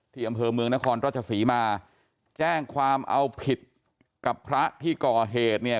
ที่อำเภอเมืองนครราชศรีมาแจ้งความเอาผิดกับพระที่ก่อเหตุเนี่ย